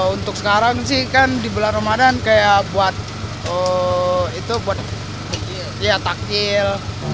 untuk sekarang sih kan di bulan ramadhan kayak buat taktil